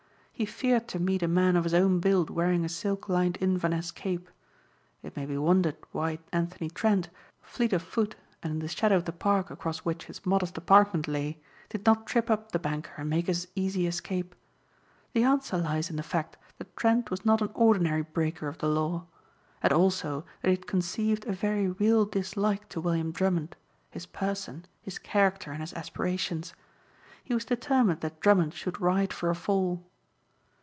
He feared to meet a man of his own build wearing a silk lined Inverness cape. It may be wondered why Anthony Trent, fleet of foot and in the shadow of the park across which his modest apartment lay, did not trip up the banker and make his easy escape. The answer lies in the fact that Trent was not an ordinary breaker of the law. And also that he had conceived a very real dislike to William Drummond, his person, his character and his aspirations. He was determined that Drummond should ride for a fall.